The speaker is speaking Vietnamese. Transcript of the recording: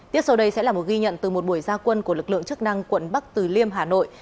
tiếp sau đây sẽ là một ghi nhận từ một buổi gia quân của lực lượng chức năng quận bắc từ liêm hà nội